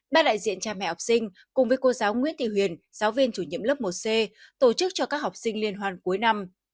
ba đại diện cha mẹ học sinh cùng với cô giáo nguyễn thị huyền giáo viên chủ nhiệm lớp một c tổ chức cho các học sinh liên hoàn cuối năm